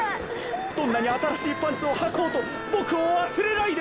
どんなにあたらしいパンツをはこうとボクをわすれないで。